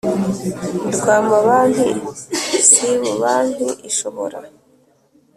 Rw amabanki sib banki ishobora